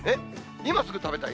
今すぐ食べたい？